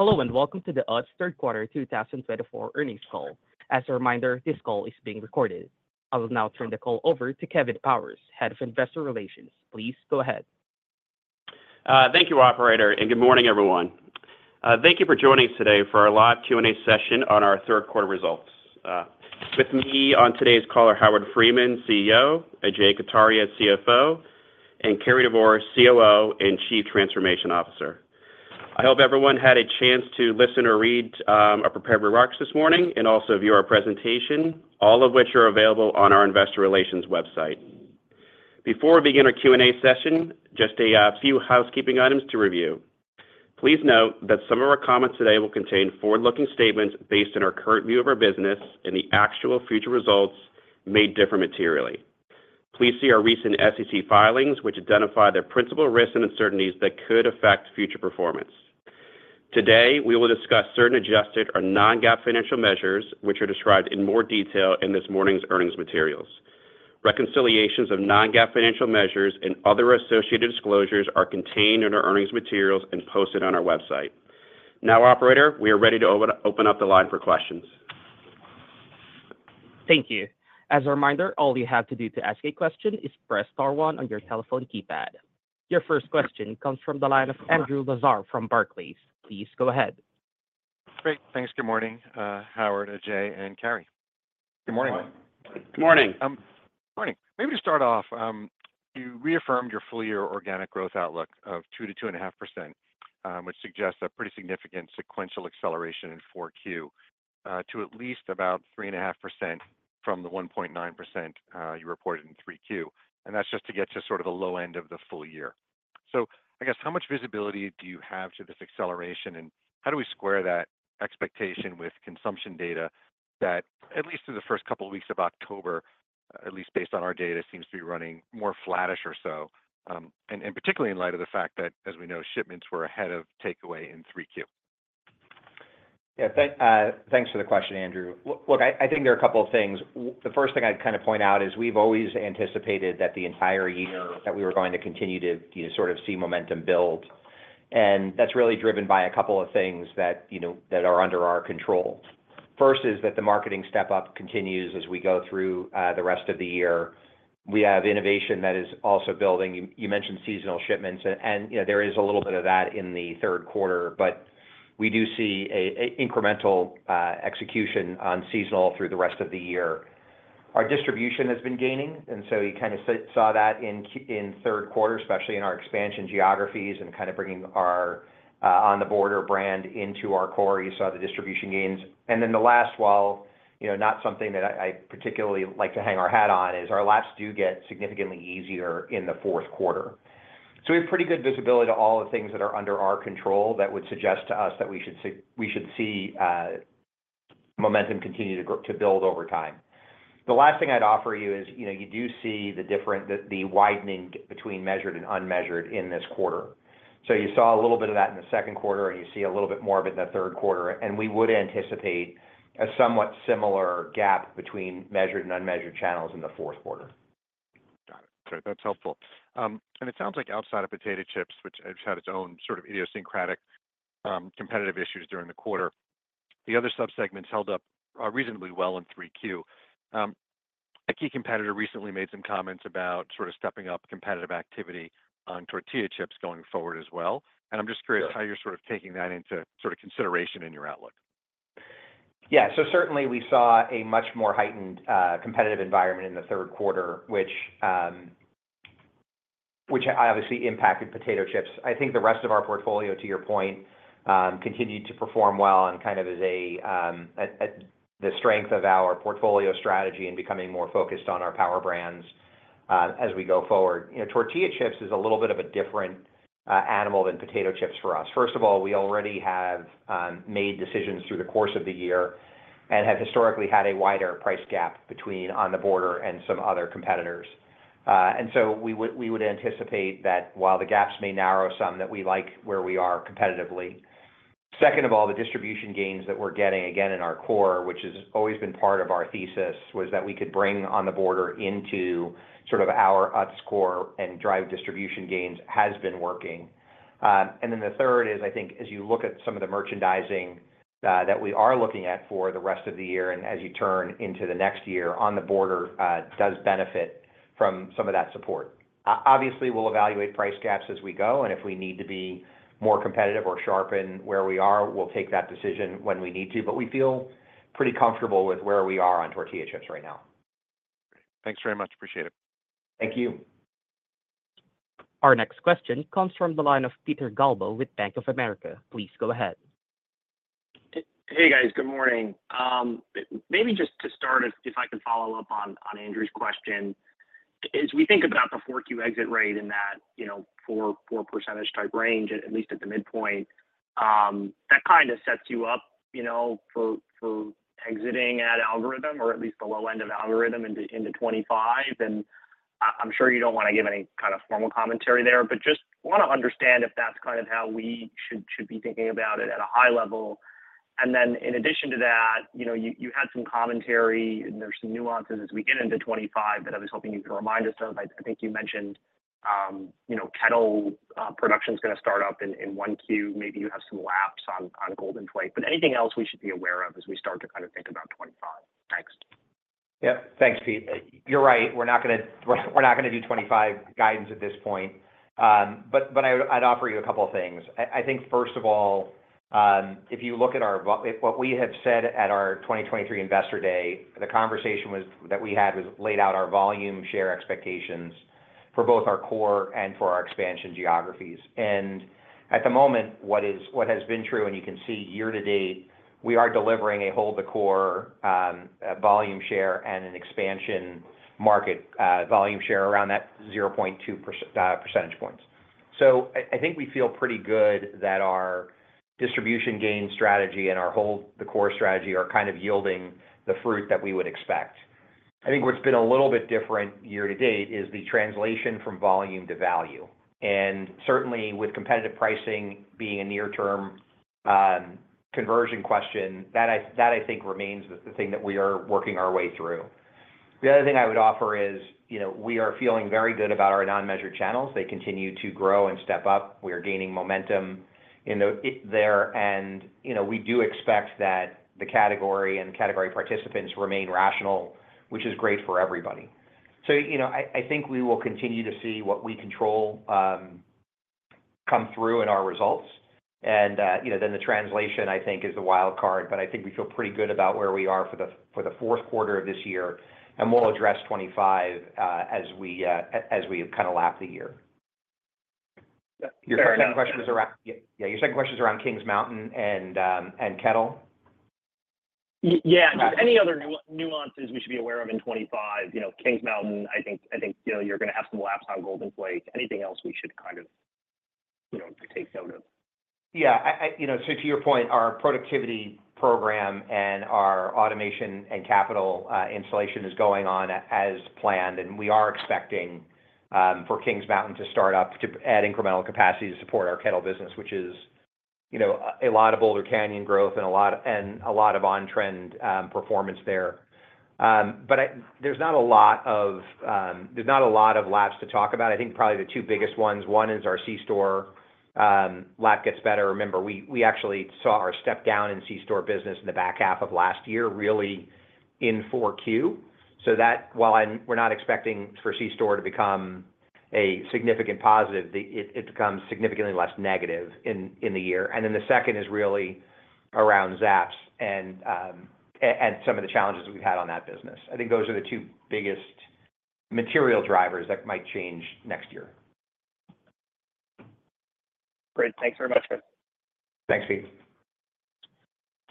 Hello, and welcome to the Utz Q3 2024 Earnings call. As a reminder, this call is being recorded. I will now turn the call over to Kevin Powers, Head of Investor Relations. Please go ahead. Thank you, Operator, and good morning, everyone. Thank you for joining us today for our live Q&A session on our Q3 results. With me on today's call are Howard Friedman, CEO; Ajay Kataria, CFO; and Cary Devore, COO and Chief Transformation Officer. I hope everyone had a chance to listen or read our prepared remarks this morning and also view our presentation, all of which are available on our Investor Relations website. Before we begin our Q&A session, just a few housekeeping items to review. Please note that some of our comments today will contain forward-looking statements based on our current view of our business, and the actual future results may differ materially. Please see our recent SEC filings, which identify the principal risks and uncertainties that could affect future performance. Today, we will discuss certain adjusted or non-GAAP financial measures, which are described in more detail in this morning's earnings materials. Reconciliations of non-GAAP financial measures and other associated disclosures are contained in our earnings materials and posted on our website. Now, Operator, we are ready to open up the line for questions. Thank you. As a reminder, all you have to do to ask a question is press star one on your telephone keypad. Your first question comes from the line of Andrew Lazar from Barclays. Please go ahead. Great. Thanks. Good morning, Howard, Ajay, and Cary. Good morning. Good morning. Good morning. Maybe to start off, you reaffirmed your full-year organic growth outlook of 2%-2.5%, which suggests a pretty significant sequential acceleration in Q4 to at least about 3.5% from the 1.9% you reported in Q3. And that's just to get to sort of the low end of the full year. So I guess, how much visibility do you have to this acceleration, and how do we square that expectation with consumption data that, at least through the first couple of weeks of October, at least based on our data, seems to be running more flattish or so? And particularly in light of the fact that, as we know, shipments were ahead of takeaway in Q3? Yeah. Thanks for the question, Andrew. Look, I think there are a couple of things. The first thing I'd kind of point out is we've always anticipated that the entire year that we were going to continue to sort of see momentum build, and that's really driven by a couple of things that are under our control. First is that the marketing step-up continues as we go through the rest of the year. We have innovation that is also building. You mentioned seasonal shipments, and there is a little bit of that in the Q3. But we do see incremental execution on seasonal through the rest of the year. Our distribution has been gaining, and so you kind of saw that in Q3, especially in our expansion geographies and kind of bringing our On The Border brand into our core. You saw the distribution gains. And then the last, while not something that I particularly like to hang our hat on, is our laps do get significantly easier in the Q4. So we have pretty good visibility to all the things that are under our control that would suggest to us that we should see momentum continue to build over time. The last thing I'd offer you is you do see the widening between measured and unmeasured in this quarter. So you saw a little bit of that in the Q2, and you see a little bit more of it in the Q3. And we would anticipate a somewhat similar gap between measured and unmeasured channels in the Q4. Got it. Okay. That's helpful. And it sounds like outside of potato chips, which has had its own sort of idiosyncratic competitive issues during the quarter, the other subsegments held up reasonably well in Q3. A key competitor recently made some comments about sort of stepping up competitive activity on tortilla chips going forward as well. And I'm just curious how you're sort of taking that into sort of consideration in your outlook. Yeah. So certainly, we saw a much more heightened competitive environment in the Q3, which obviously impacted potato chips. I think the rest of our portfolio, to your point, continued to perform well and kind of is the strength of our portfolio strategy and becoming more focused on our Power Brands as we go forward. Tortilla chips is a little bit of a different animal than potato chips for us. First of all, we already have made decisions through the course of the year and have historically had a wider price gap between On The Border and some other competitors. And so we would anticipate that while the gaps may narrow some, that we like where we are competitively. Second of all, the distribution gains that we're getting, again, in our core, which has always been part of our thesis, was that we could bring On The Border into sort of our Utz core and drive distribution gains has been working. And then the third is, I think, as you look at some of the merchandising that we are looking at for the rest of the year and as you turn into the next year, On The Border does benefit from some of that support. Obviously, we'll evaluate price gaps as we go, and if we need to be more competitive or sharpen where we are, we'll take that decision when we need to. But we feel pretty comfortable with where we are on tortilla chips right now. Great. Thanks very much. Appreciate it. Thank you. Our next question comes from the line of Peter Galbo with Bank of America. Please go ahead. Hey, guys. Good morning. Maybe just to start, if I can follow up on Andrew's question, as we think about the Q4 exit rate in that 4%-ish type range, at least at the midpoint, that kind of sets you up for exiting at algorithm or at least the low end of algorithm into 2025, and I'm sure you don't want to give any kind of formal commentary there, but just want to understand if that's kind of how we should be thinking about it at a high level, and then in addition to that, you had some commentary, and there's some nuances as we get into 2025 that I was hoping you could remind us of. I think you mentioned kettle production's going to start up in Q1. Maybe you have some laps on Golden Flake. But anything else we should be aware of as we start to kind of think about 2025? Thanks. Yep. Thanks, Pete. You're right. We're not going to do 25 guidance at this point. But I'd offer you a couple of things. I think, first of all, if you look at what we have said at our 2023 Investor Day, the conversation that we had was laid out our volume share expectations for both our core and for our expansion geographies. And at the moment, what has been true, and you can see year to date, we are delivering a hold-the-core volume share and an expansion market volume share around that 0.2 percentage points. So I think we feel pretty good that our distribution gain strategy and our hold-the-core strategy are kind of yielding the fruit that we would expect. I think what's been a little bit different year to date is the translation from volume to value. And certainly, with competitive pricing being a near-term conversion question, that, I think, remains the thing that we are working our way through. The other thing I would offer is we are feeling very good about our non-measured channels. They continue to grow and step up. We are gaining momentum there. And we do expect that the category and category participants remain rational, which is great for everybody. So I think we will continue to see what we control come through in our results. And then the translation, I think, is the wild card. But I think we feel pretty good about where we are for the Q4 of this year. And we'll address 25 as we kind of lap the year. Your second question was around. Yeah. Yeah. Your second question was around Kings Mountain and kettle. Yeah. Just any other nuances we should be aware of in 25. Kings Mountain, I think you're going to have some laps on Golden Flake. Anything else we should kind of take note of? Yeah. So to your point, our productivity program and our automation and capital installation is going on as planned. And we are expecting for Kings Mountain to start up at incremental capacity to support our kettle business, which is a lot of Boulder Canyon growth and a lot of on-trend performance there. But there's not a lot of laps to talk about. I think probably the two biggest ones, one is our C-Store lap gets better. Remember, we actually saw our step down in C-Store business in the back half of last year really in Q4. So while we're not expecting for C-Store to become a significant positive, it becomes significantly less negative in the year. And then the second is really around Zapp's and some of the challenges we've had on that business. I think those are the two biggest material drivers that might change next year. Great. Thanks very much, guys. Thanks, Pete.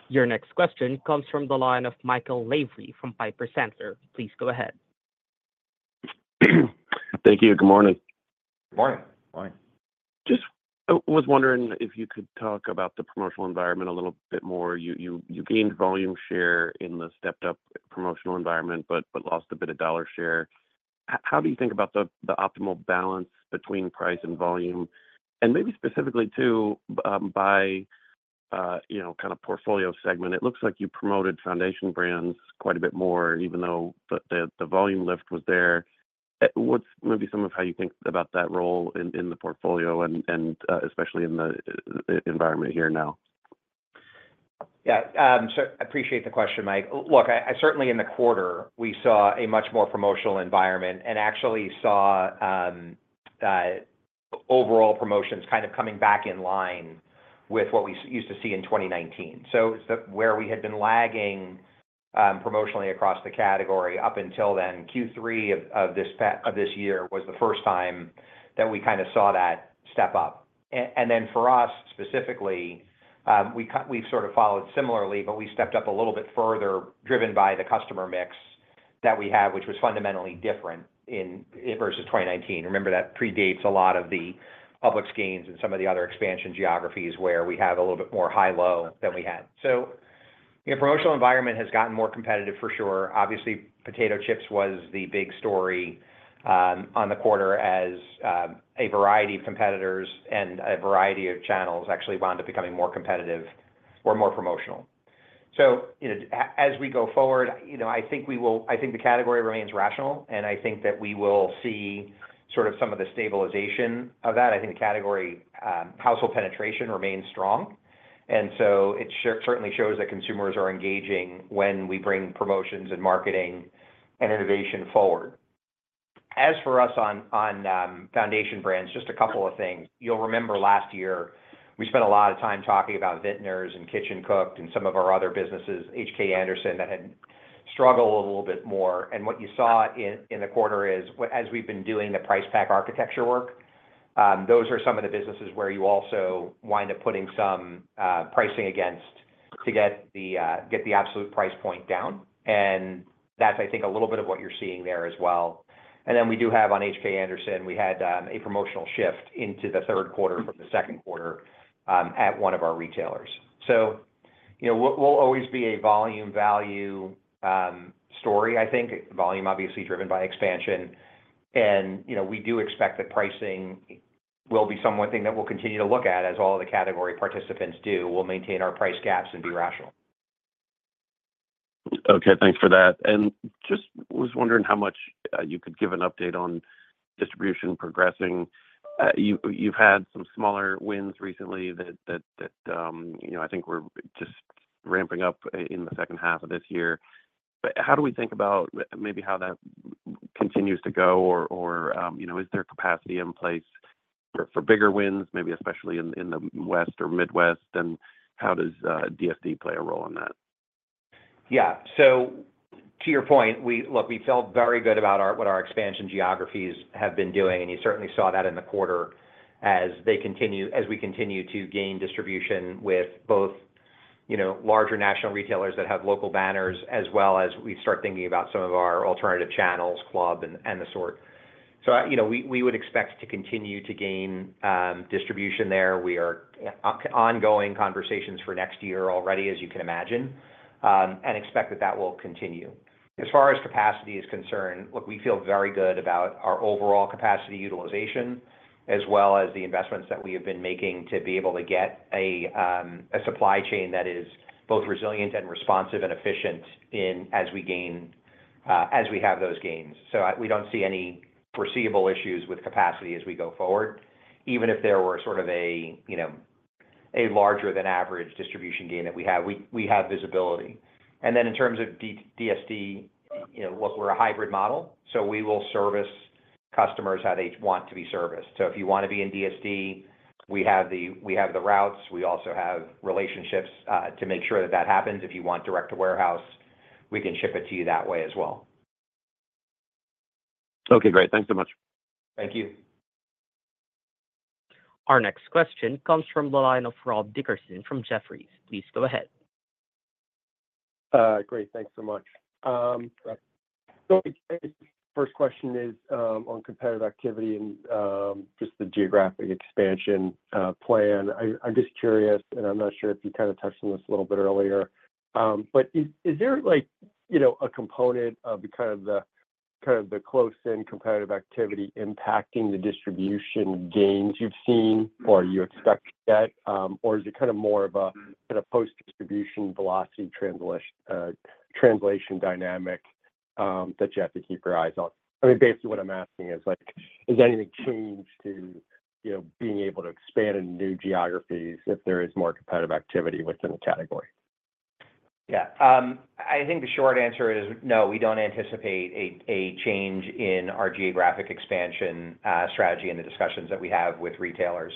Your next question comes from the line of Michael Lavery from Piper Sandler. Please go ahead. Thank you. Good morning. Good morning. Morning. Just was wondering if you could talk about the promotional environment a little bit more. You gained volume share in the stepped-up promotional environment but lost a bit of dollar share. How do you think about the optimal balance between price and volume? And maybe specifically too by kind of portfolio segment. It looks like you promoted Foundation Brands quite a bit more, even though the volume lift was there. What's maybe some of how you think about that role in the portfolio, and especially in the environment here now? Yeah. So I appreciate the question, Mike. Look, certainly in the quarter, we saw a much more promotional environment and actually saw overall promotions kind of coming back in line with what we used to see in 2019. So where we had been lagging promotionally across the category up until then, Q3 of this year was the first time that we kind of saw that step up. And then for us specifically, we've sort of followed similarly, but we stepped up a little bit further driven by the customer mix that we have, which was fundamentally different versus 2019. Remember, that predates a lot of the Publix gains and some of the other expansion geographies where we have a little bit more high-low than we had. So the promotional environment has gotten more competitive for sure. Obviously, potato chips was the big story in the quarter as a variety of competitors and a variety of channels actually wound up becoming more competitive or more promotional, so as we go forward, I think we will. I think the category remains rational, and I think that we will see sort of some of the stabilization of that. I think the category household penetration remains strong, and so it certainly shows that consumers are engaging when we bring promotions and marketing and innovation forward. As for us on foundation brands, just a couple of things. You'll remember last year, we spent a lot of time talking about Vitner's and Kitchen Cooked and some of our other businesses, H.K. Anderson, that had struggled a little bit more. What you saw in the quarter is, as we've been doing the price pack architecture work, those are some of the businesses where you also wind up putting some pricing against to get the absolute price point down. And that's, I think, a little bit of what you're seeing there as well. And then we do have on H.K. Anderson, we had a promotional shift into the Q3 from the Q2 at one of our retailers. So we'll always be a volume value story, I think. Volume, obviously, driven by expansion. And we do expect that pricing will be something that we'll continue to look at, as all of the category participants do. We'll maintain our price gaps and be rational. Okay. Thanks for that. And just was wondering how much you could give an update on distribution progressing. You've had some smaller wins recently that I think were just ramping up in the second half of this year. But how do we think about maybe how that continues to go? Or is there capacity in place for bigger wins, maybe especially in the West or Midwest? And how does DSD play a role in that? Yeah, so to your point, look, we felt very good about what our expansion geographies have been doing, and you certainly saw that in the quarter as we continue to gain distribution with both larger national retailers that have local banners as well as we start thinking about some of our alternative channels, club, and the sort, so we would expect to continue to gain distribution there. We are ongoing conversations for next year already, as you can imagine, and expect that that will continue. As far as capacity is concerned, look, we feel very good about our overall capacity utilization as well as the investments that we have been making to be able to get a supply chain that is both resilient and responsive and efficient as we have those gains, so we don't see any foreseeable issues with capacity as we go forward. Even if there were sort of a larger-than-average distribution gain that we have, we have visibility. And then in terms of DSD, look, we're a hybrid model. So we will service customers how they want to be serviced. So if you want to be in DSD, we have the routes. We also have relationships to make sure that that happens. If you want direct-to-warehouse, we can ship it to you that way as well. Okay. Great. Thanks so much. Thank you. Our next question comes from the line of Rob Dickerson from Jefferies. Please go ahead. Great. Thanks so much. So first question is on competitive activity and just the geographic expansion plan. I'm just curious, and I'm not sure if you kind of touched on this a little bit earlier, but is there a component of kind of the close-in competitive activity impacting the distribution gains you've seen or you expect yet? Or is it kind of more of a kind of post-distribution velocity translation dynamic that you have to keep your eyes on? I mean, basically, what I'm asking is, has anything changed to being able to expand into new geographies if there is more competitive activity within the category? Yeah. I think the short answer is no. We don't anticipate a change in our geographic expansion strategy and the discussions that we have with retailers.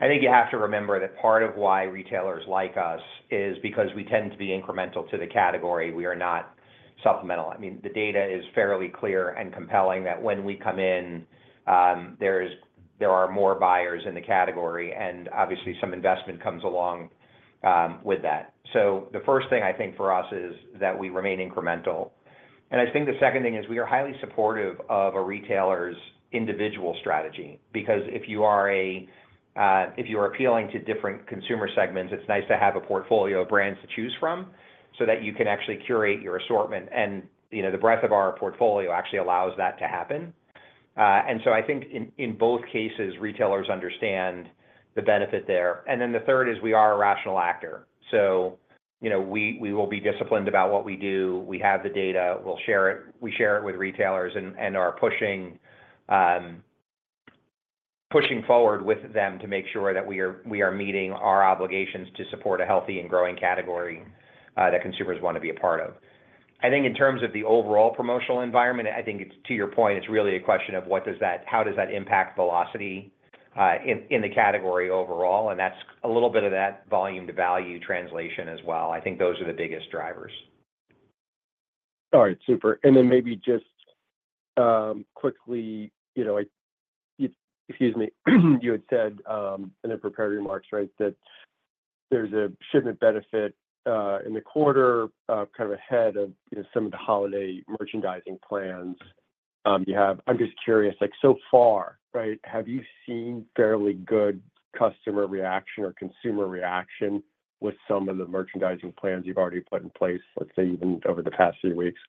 I think you have to remember that part of why retailers like us is because we tend to be incremental to the category. We are not supplemental. I mean, the data is fairly clear and compelling that when we come in, there are more buyers in the category, and obviously, some investment comes along with that, so the first thing I think for us is that we remain incremental, and I think the second thing is we are highly supportive of a retailer's individual strategy because if you are appealing to different consumer segments, it's nice to have a portfolio of brands to choose from so that you can actually curate your assortment, and the breadth of our portfolio actually allows that to happen. And so I think in both cases, retailers understand the benefit there. And then the third is we are a rational actor. So we will be disciplined about what we do. We have the data. We'll share it. We share it with retailers and are pushing forward with them to make sure that we are meeting our obligations to support a healthy and growing category that consumers want to be a part of. I think in terms of the overall promotional environment, I think to your point, it's really a question of how does that impact velocity in the category overall? And that's a little bit of that volume-to-value translation as well. I think those are the biggest drivers. All right. Super, and then maybe just quickly, excuse me, you had said in the prepared remarks, right, that there's a shipment benefit in the quarter kind of ahead of some of the holiday merchandising plans you have. I'm just curious, so far, right, have you seen fairly good customer reaction or consumer reaction with some of the merchandising plans you've already put in place, let's say, even over the past few weeks?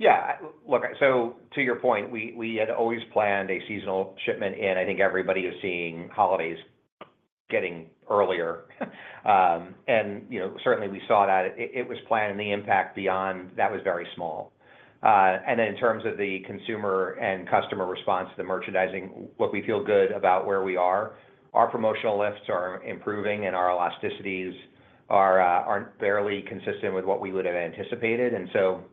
Yeah. Look, so to your point, we had always planned a seasonal shipment in. I think everybody is seeing holidays getting earlier. And certainly, we saw that it was planned, and the impact beyond that was very small. And then in terms of the consumer and customer response to the merchandising, look, we feel good about where we are. Our promotional lifts are improving, and our elasticities aren't barely consistent with what we would have anticipated. And so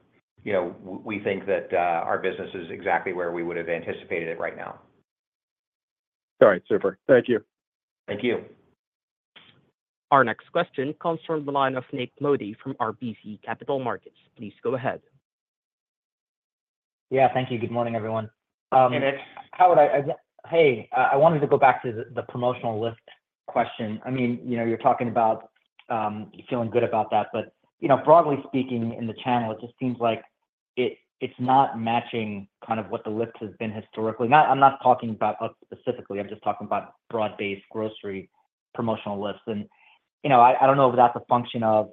we think that our business is exactly where we would have anticipated it right now. All right. Super. Thank you. Thank you. Our next question comes from the line of Nik Modi from RBC Capital Markets. Please go ahead. Yeah. Thank you. Good morning, everyone. Hey, I wanted to go back to the promotional lift question. I mean, you're talking about feeling good about that. But broadly speaking, in the channel, it just seems like it's not matching kind of what the lift has been historically. I'm not talking about us specifically. I'm just talking about broad-based grocery promotional lifts. And I don't know if that's a function of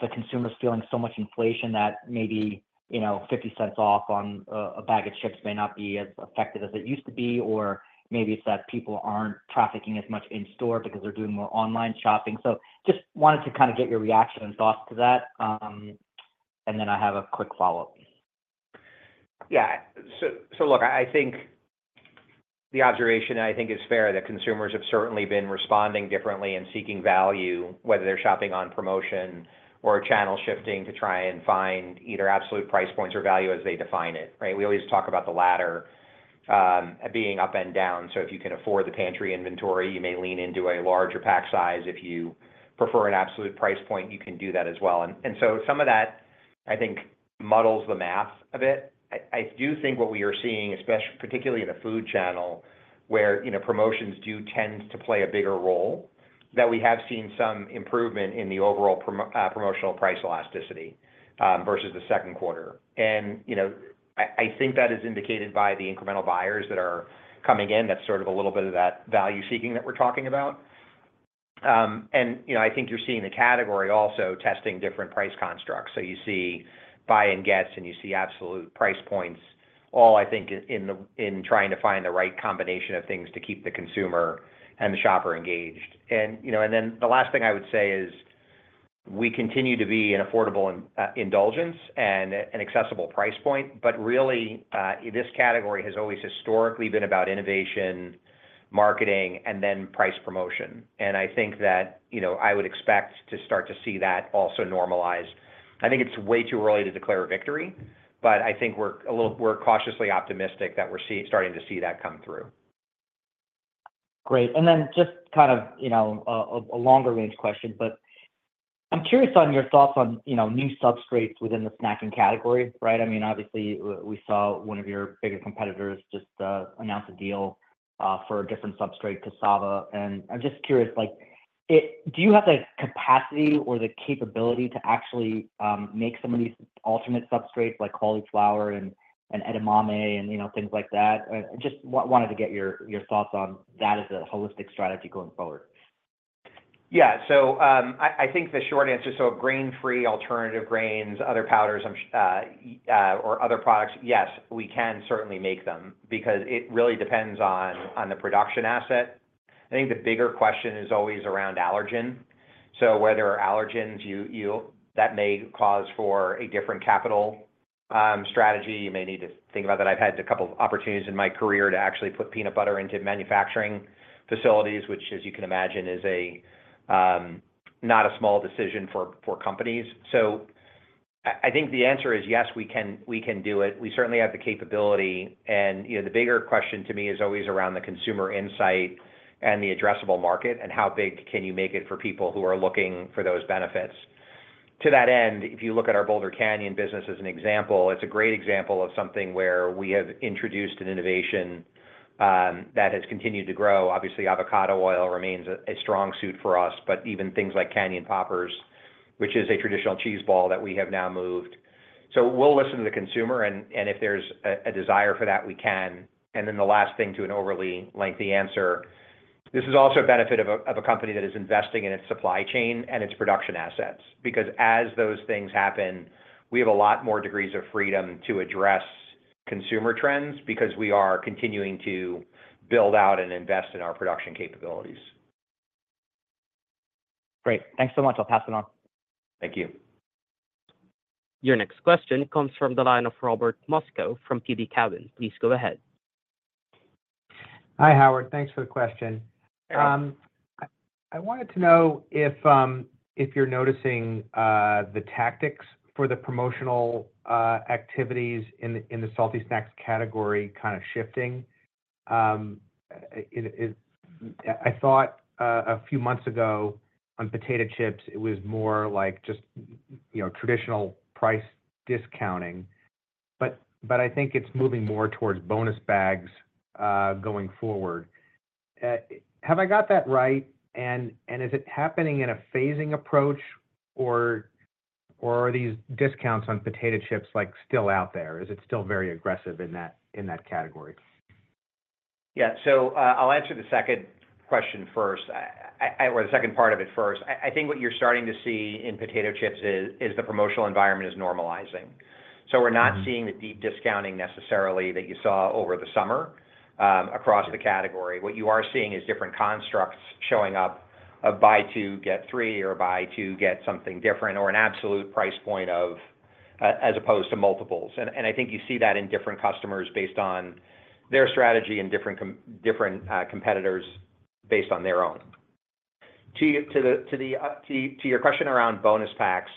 the consumers feeling so much inflation that maybe $0.50 off on a bag of chips may not be as effective as it used to be. Or maybe it's that people aren't trafficking as much in store because they're doing more online shopping. So just wanted to kind of get your reaction and thoughts to that. And then I have a quick follow-up. So look, I think the observation I think is fair that consumers have certainly been responding differently and seeking value, whether they're shopping on promotion or channel shifting to try and find either absolute price points or value as they define it, right? We always talk about the latter being up and down. So if you can afford the pantry inventory, you may lean into a larger pack size. If you prefer an absolute price point, you can do that as well. And so some of that, I think, muddles the math a bit. I do think what we are seeing, particularly in the food channel where promotions do tend to play a bigger role, that we have seen some improvement in the overall promotional price elasticity versus the Q2. And I think that is indicated by the incremental buyers that are coming in. That's sort of a little bit of that value seeking that we're talking about. And I think you're seeing the category also testing different price constructs. So you see buy and gets, and you see absolute price points, all I think in trying to find the right combination of things to keep the consumer and the shopper engaged. And then the last thing I would say is we continue to be an affordable indulgence and an accessible price point. But really, this category has always historically been about innovation, marketing, and then price promotion. And I think that I would expect to start to see that also normalize. I think it's way too early to declare a victory, but I think we're cautiously optimistic that we're starting to see that come through. Great. And then just kind of a longer-range question, but I'm curious on your thoughts on new substrates within the snacking category, right? I mean, obviously, we saw one of your bigger competitors just announce a deal for a different substrate, cassava. And I'm just curious, do you have the capacity or the capability to actually make some of these alternate substrates like cauliflower and edamame and things like that? Just wanted to get your thoughts on that as a holistic strategy going forward. Yeah. So I think the short answer is so grain-free alternative grains, other powders, or other products, yes, we can certainly make them because it really depends on the production asset. I think the bigger question is always around allergen. So whether allergens that may cause for a different capital strategy, you may need to think about that. I've had a couple of opportunities in my career to actually put peanut butter into manufacturing facilities, which, as you can imagine, is not a small decision for companies. So I think the answer is yes, we can do it. We certainly have the capability. And the bigger question to me is always around the consumer insight and the addressable market and how big can you make it for people who are looking for those benefits. To that end, if you look at our Boulder Canyon business as an example, it's a great example of something where we have introduced an innovation that has continued to grow. Obviously, avocado oil remains a strong suit for us, but even things like Canyon Poppers, which is a traditional cheese ball that we have now moved. So we'll listen to the consumer. And if there's a desire for that, we can. The last thing to add to an overly lengthy answer, this is also a benefit of a company that is investing in its supply chain and its production assets because as those things happen, we have a lot more degrees of freedom to address consumer trends because we are continuing to build out and invest in our production capabilities. Great. Thanks so much. I'll pass it on. Thank you. Your next question comes from the line of Robert Moskow from TD Cowen. Please go ahead. Hi, Howard. Thanks for the question. I wanted to know if you're noticing the tactics for the promotional activities in the salty snacks category kind of shifting. I thought a few months ago on potato chips, it was more like just traditional price discounting. But I think it's moving more towards bonus bags going forward. Have I got that right? And is it happening in a phasing approach, or are these discounts on potato chips still out there? Is it still very aggressive in that category? Yeah. So I'll answer the second question first or the second part of it first. I think what you're starting to see in potato chips is the promotional environment normalizing. So we're not seeing the deep discounting necessarily that you saw over the summer across the category. What you are seeing is different constructs showing up of buy two, get three, or buy two, get something different or an absolute price point as opposed to multiples. And I think you see that in different customers based on their strategy and different competitors based on their own. To your question around bonus packs,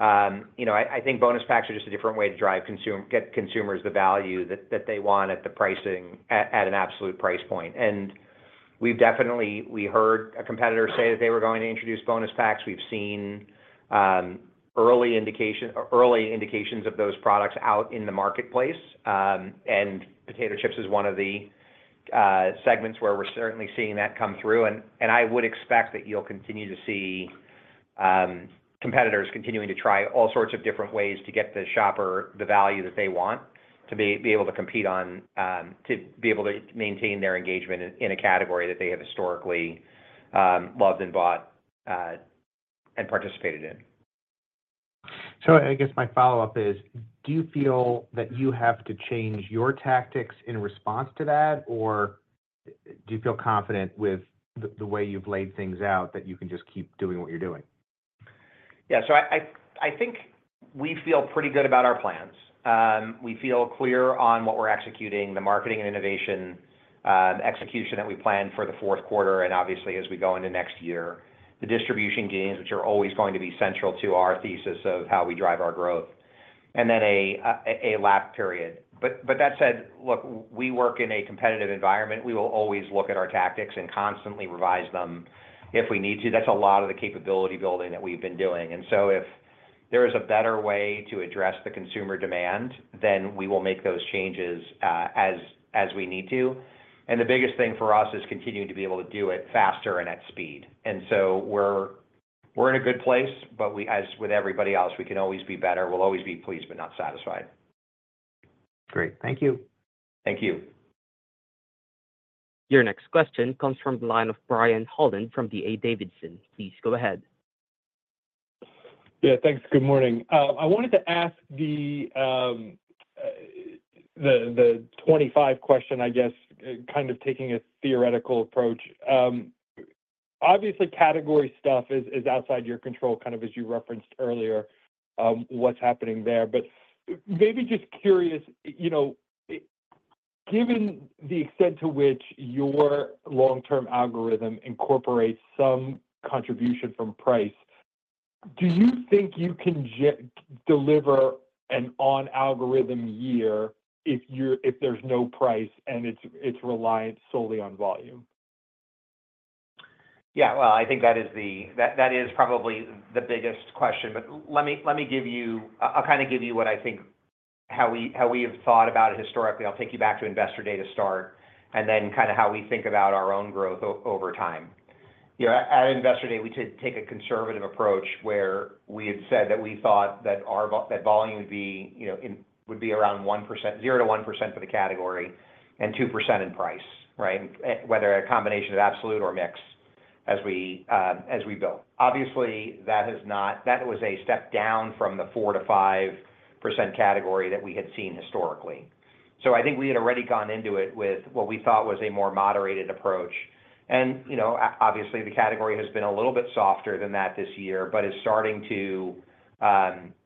I think bonus packs are just a different way to get consumers the value that they want at the pricing at an absolute price point. And we heard a competitor say that they were going to introduce bonus packs. We've seen early indications of those products out in the marketplace. Potato chips is one of the segments where we're certainly seeing that come through. I would expect that you'll continue to see competitors continuing to try all sorts of different ways to get the shopper the value that they want to be able to compete on to be able to maintain their engagement in a category that they have historically loved and bought and participated in. So I guess my follow-up is, do you feel that you have to change your tactics in response to that, or do you feel confident with the way you've laid things out that you can just keep doing what you're doing? Yeah, so I think we feel pretty good about our plans. We feel clear on what we're executing, the marketing and innovation execution that we planned for the Q4, and obviously, as we go into next year, the distribution gains, which are always going to be central to our thesis of how we drive our growth, and then a lap period. But that said, look, we work in a competitive environment. We will always look at our tactics and constantly revise them if we need to. That's a lot of the capability building that we've been doing, and so if there is a better way to address the consumer demand, then we will make those changes as we need to. And the biggest thing for us is continuing to be able to do it faster and at speed. We're in a good place, but as with everybody else, we can always be better. We'll always be pleased but not satisfied. Great. Thank you. Thank you. Your next question comes from the line of Brian Holland from D.A. Davidson. Please go ahead. Yeah. Thanks. Good morning. I wanted to ask the $25 question, I guess, kind of taking a theoretical approach. Obviously, category stuff is outside your control, kind of as you referenced earlier what's happening there. But maybe just curious, given the extent to which your long-term algorithm incorporates some contribution from price, do you think you can deliver an on-algorithm year if there's no price and it's reliant solely on volume? Yeah. Well, I think that is probably the biggest question. But let me give you what I think, how we have thought about it historically. I'll take you back to Investor Day start and then kind of how we think about our own growth over time. At Investor Day, we did take a conservative approach where we had said that we thought that volume would be around 0%-1% for the category and 2% in price, right, with a combination of absolute or mix as we built. Obviously, that was a step down from the 4%-5% category that we had seen historically. So I think we had already gone into it with what we thought was a more moderated approach. And obviously, the category has been a little bit softer than that this year, but is starting to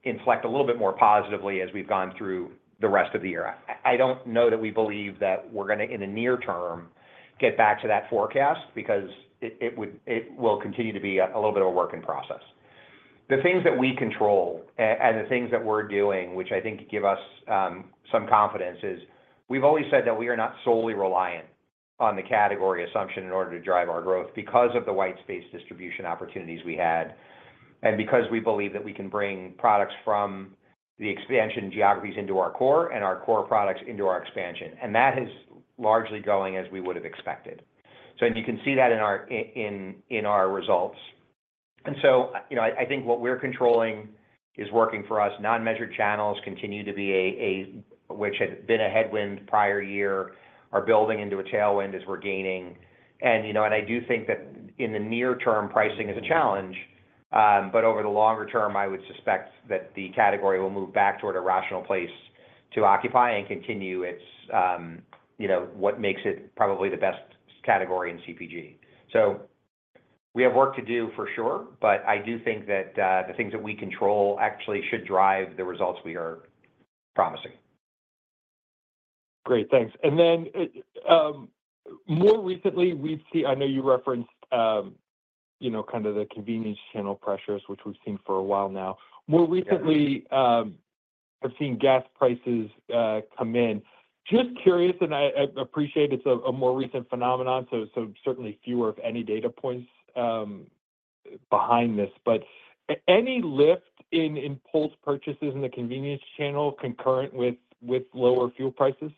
inflect a little bit more positively as we've gone through the rest of the year. I don't know that we believe that we're going to, in the near term, get back to that forecast because it will continue to be a little bit of a work in process. The things that we control and the things that we're doing, which I think give us some confidence, is we've always said that we are not solely reliant on the category assumption in order to drive our growth because of the white space distribution opportunities we had and because we believe that we can bring products from the expansion geographies into our core and our core products into our expansion. And that is largely going as we would have expected. So you can see that in our results, and so I think what we're controlling is working for us. Unmeasured channels continue to be, which had been a headwind prior year, are building into a tailwind as we're gaining, and I do think that in the near term, pricing is a challenge, but over the longer term, I would suspect that the category will move back toward a rational place to occupy and continue what makes it probably the best category in CPG, so we have work to do for sure, but I do think that the things that we control actually should drive the results we are promising. Great. Thanks. And then more recently, I know you referenced kind of the convenience channel pressures, which we've seen for a while now. More recently, I've seen gas prices come in. Just curious, and I appreciate it's a more recent phenomenon, so certainly fewer if any data points behind this, but any lift in impulse purchases in the convenience channel concurrent with lower fuel prices?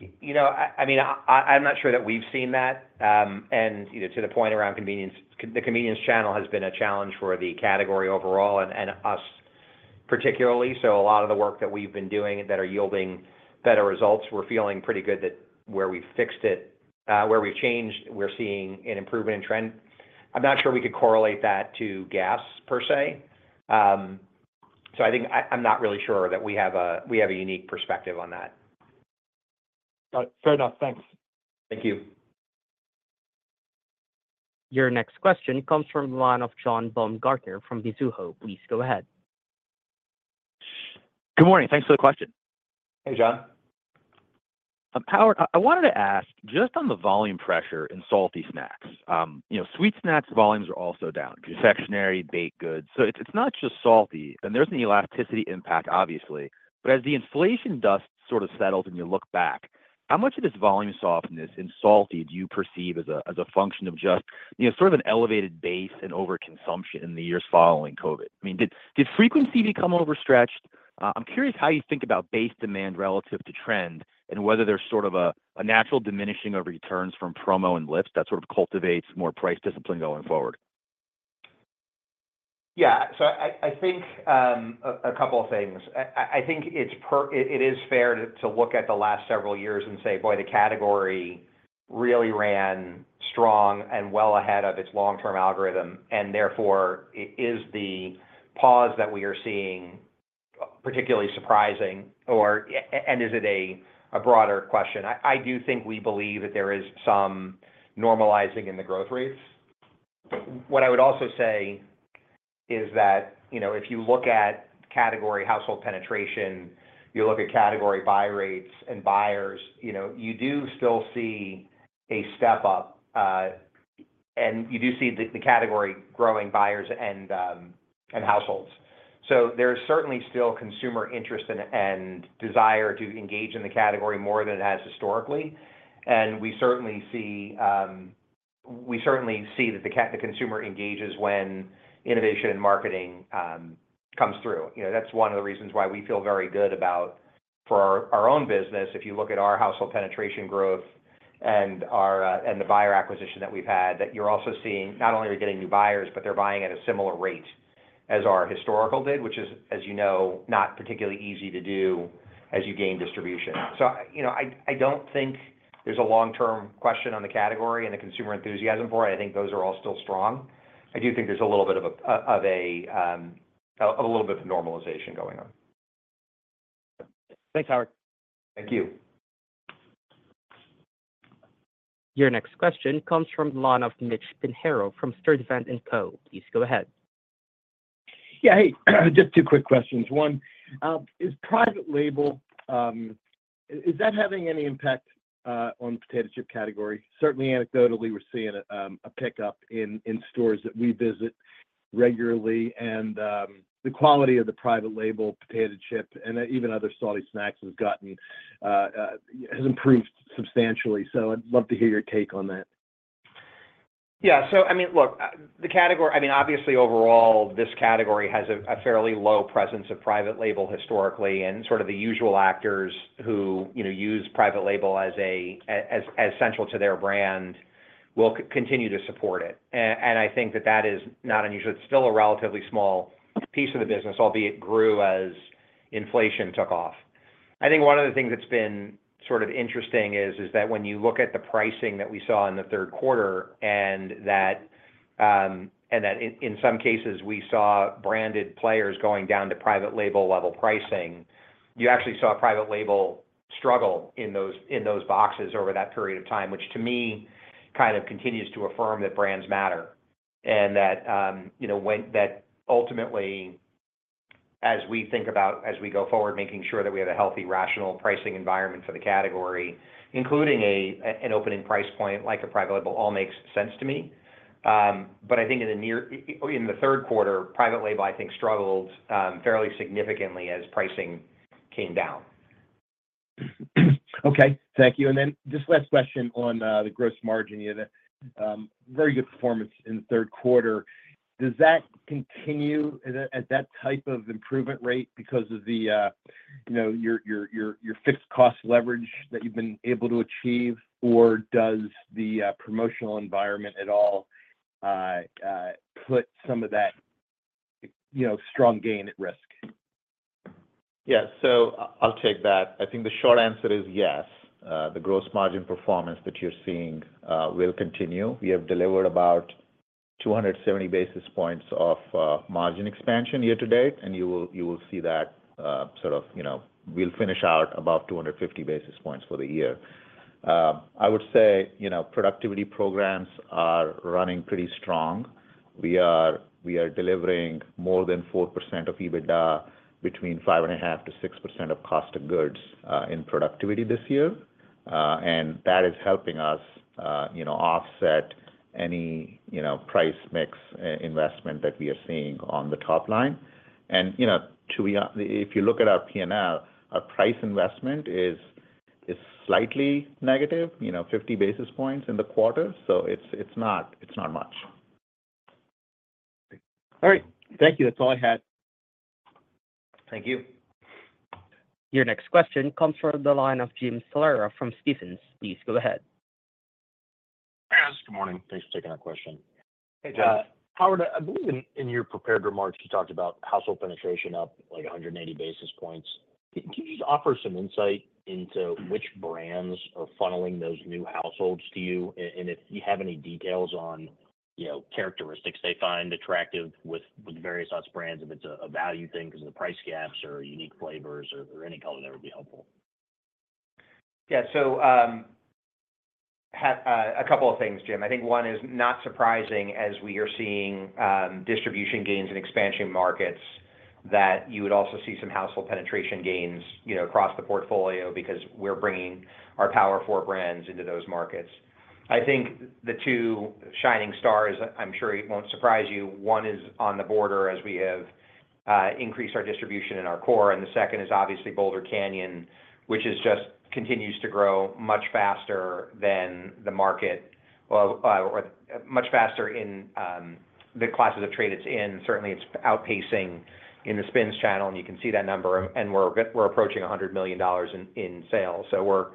I mean, I'm not sure that we've seen that. And to the point around convenience, the convenience channel has been a challenge for the category overall and us particularly. So a lot of the work that we've been doing that are yielding better results, we're feeling pretty good that where we've fixed it, where we've changed, we're seeing an improvement in trend. I'm not sure we could correlate that to gas per se. So I think I'm not really sure that we have a unique perspective on that. Fair enough. Thanks. Thank you. Your next question comes from the line of John Baumgartner from Mizuho. Please go ahead. Good morning. Thanks for the question. Hey, John. I wanted to ask just on the volume pressure in salty snacks. Sweet snacks volumes are also down, confectionery, baked goods. So it's not just salty, and there's an elasticity impact, obviously, but as the inflation dust sort of settles and you look back, how much of this volume softness in salty do you perceive as a function of just sort of an elevated base and overconsumption in the years following COVID? I mean, did frequency become overstretched? I'm curious how you think about base demand relative to trend and whether there's sort of a natural diminishing of returns from promo and lifts that sort of cultivates more price discipline going forward? Yeah. So I think a couple of things. I think it is fair to look at the last several years and say, boy, the category really ran strong and well ahead of its long-term algorithm. And therefore, is the pause that we are seeing particularly surprising? And is it a broader question? I do think we believe that there is some normalizing in the growth rates. What I would also say is that if you look at category household penetration, you look at category buy rates and buyers, you do still see a step up. And you do see the category growing buyers and households. So there is certainly still consumer interest and desire to engage in the category more than it has historically. And we certainly see that the consumer engages when innovation and marketing comes through. That's one of the reasons why we feel very good about for our own business. If you look at our household penetration growth and the buyer acquisition that we've had, that you're also seeing not only are we getting new buyers, but they're buying at a similar rate as our historical did, which is, as you know, not particularly easy to do as you gain distribution. So I don't think there's a long-term question on the category and the consumer enthusiasm for it. I think those are all still strong. I do think there's a little bit of a little bit of normalization going on. Thanks, Howard. Thank you. Your next question comes from the line of Mitch Pinheiro from Sturdivant & Co. Please go ahead. Yeah. Hey, just two quick questions. One is private label, is that having any impact on the potato chip category? Certainly, anecdotally, we're seeing a pickup in stores that we visit regularly. And the quality of the private label potato chip and even other salty snacks has improved substantially. So I'd love to hear your take on that. Yeah. So I mean, look, the category. I mean, obviously, overall, this category has a fairly low presence of private label historically. And sort of the usual actors who use private label as central to their brand will continue to support it. And I think that that is not unusual. It's still a relatively small piece of the business, albeit grew as inflation took off. I think one of the things that's been sort of interesting is that when you look at the pricing that we saw in the Q3 and that in some cases, we saw branded players going down to private label level pricing, you actually saw private label struggle in those boxes over that period of time, which to me kind of continues to affirm that brands matter and that ultimately, as we think about as we go forward, making sure that we have a healthy, rational pricing environment for the category, including an opening price point like a private label all makes sense to me. But I think in the Q3, private label, I think, struggled fairly significantly as pricing came down. Okay. Thank you. And then just last question on the gross margin. You had a very good performance in the Q3. Does that continue at that type of improvement rate because of your fixed cost leverage that you've been able to achieve, or does the promotional environment at all put some of that strong gain at risk? Yeah. So I'll take that. I think the short answer is yes. The gross margin performance that you're seeing will continue. We have delivered about 270 basis points of margin expansion year to date. And you will see that sort of we'll finish out above 250 basis points for the year. I would say productivity programs are running pretty strong. We are delivering more than 4% of EBITDA, between 5.5% to 6% of cost of goods in productivity this year. And that is helping us offset any price mix investment that we are seeing on the top line. And if you look at our P&L, our price investment is slightly negative, 50 basis points in the quarter. So it's not much. All right. Thank you. That's all I had. Thank you. Your next question comes from the line of Jim Salera from Stephens. Please go ahead. Hi, guys. Good morning. Thanks for taking our question. Hey, John. Howard, I believe in your prepared remarks, you talked about household penetration up like 180 basis points. Can you just offer some insight into which brands are funneling those new households to you? And if you have any details on characteristics they find attractive with various brands, if it's a value thing because of the price gaps or unique flavors or any color, that would be helpful? Yeah. So a couple of things, Jim. I think one is not surprising as we are seeing distribution gains in expansion markets that you would also see some household penetration gains across the portfolio because we're bringing our Power Four brands into those markets. I think the two shining stars, I'm sure it won't surprise you, one is On The Border as we have increased our distribution in our core. And the second is obviously Boulder Canyon, which just continues to grow much faster than the market or much faster in the classes of trade it's in. Certainly, it's outpacing in the SPINS channel. And you can see that number. And we're approaching $100 million in sales. So we're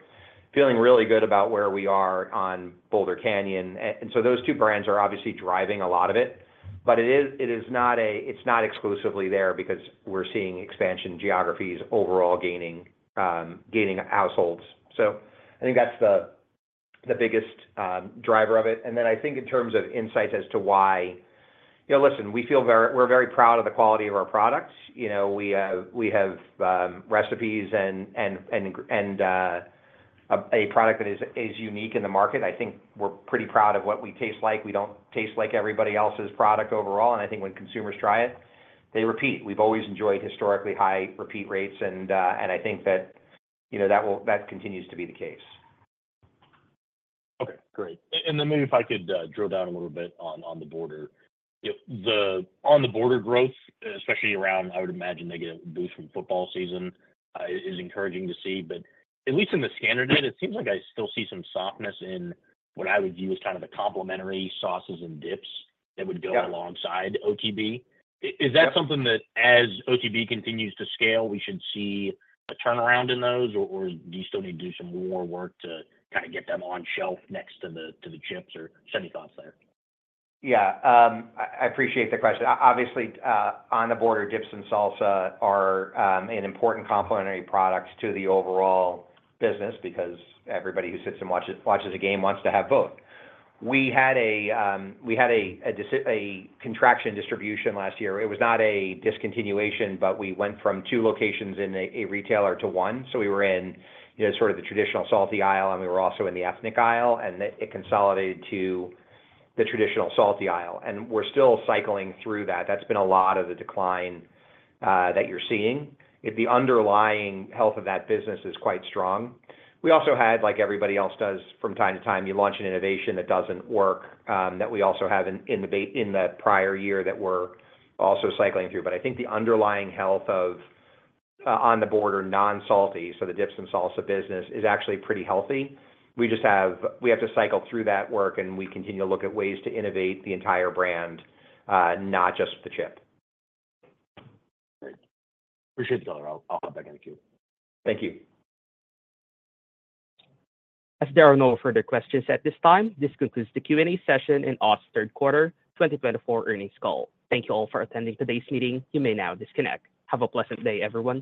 feeling really good about where we are on Boulder Canyon. And so those two brands are obviously driving a lot of it. But it is not exclusively there because we're seeing expansion geographies overall gaining households. So I think that's the biggest driver of it. And then I think in terms of insights as to why, listen, we're very proud of the quality of our products. We have recipes and a product that is unique in the market. I think we're pretty proud of what we taste like. We don't taste like everybody else's product overall. And I think when consumers try it, they repeat. We've always enjoyed historically high repeat rates. And I think that that continues to be the case. Okay. Great. And then maybe if I could drill down a little bit on On The Border, On The Border growth, especially around, I would imagine they get a boost from football season. It is encouraging to see. But at least in the standard end, it seems like I still see some softness in what I would view as kind of the complementary sauces and dips that would go alongside OTB. Is that something that as OTB continues to scale, we should see a turnaround in those, or do you still need to do some more work to kind of get them on shelf next to the chips? Or send me thoughts there. Yeah. I appreciate the question. Obviously, On The Border dips and salsa are an important complementary product to the overall business because everybody who sits and watches a game wants to have both. We had a contraction in distribution last year. It was not a discontinuation, but we went from two locations in a retailer to one. So we were in sort of the traditional salty aisle, and we were also in the ethnic aisle. And it consolidated to the traditional salty aisle. And we're still cycling through that. That's been a lot of the decline that you're seeing. The underlying health of that business is quite strong. We also had, like everybody else does, from time to time, you launch an innovation that doesn't work that we also have in the prior year that we're also cycling through. But I think the underlying health of On The Border non-salty, so the dips and salsa business is actually pretty healthy. We have to cycle through that work, and we continue to look at ways to innovate the entire brand, not just the chip. Great. Appreciate the honor. I'll hop back in the queue. Thank you. As there are no further questions at this time, this concludes the Q&A session and Utz's Q3 2024 earnings call. Thank you all for attending today's meeting. You may now disconnect. Have a pleasant day, everyone.